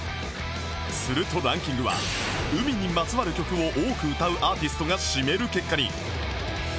するとランキングは海にまつわる曲を多く歌うアーティストが占める結果に